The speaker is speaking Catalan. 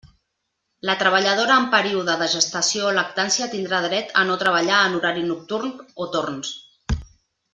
La treballadora en període de gestació o lactància tindrà dret a no treballar en horari nocturn o torns.